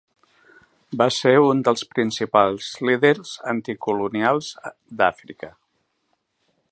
Va ser un dels principals líders anticolonials d'Àfrica.